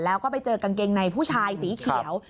แล้วก็ไปเจอกางเกงในผู้ชายสีเขียว